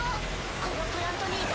このプラントにいた。